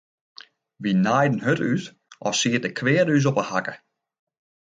Wy naaiden hurd út as siet de kweade ús op 'e hakke.